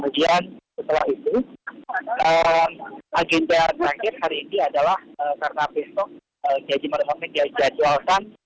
dan setelah itu agenda terakhir hari ini adalah karena besok kiai hedimor hamil dijadwalkan